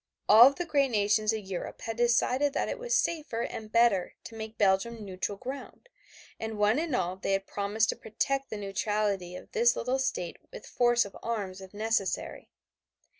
All the great nations of Europe had decided that it was safer and better to make Belgium neutral ground, and one and all they had promised to protect the neutrality of this little state with force of arms if necessary.